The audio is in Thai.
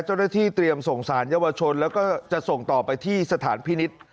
เจ้าหน้าที่เตรียมส่งสารเยาวชนแล้วก็จะส่งต่อไปที่สถานพินิษฐ์